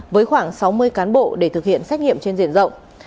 với khoảng sáu mươi cán bộ để thực hiện xét nghiệm trên diện rộng